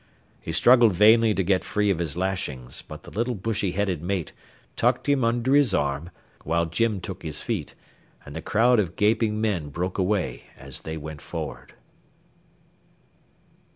He struggled vainly to get free of his lashings, but the little bushy headed mate tucked him under his arm, while Jim took his feet, and the crowd of gaping men broke away as they went forward.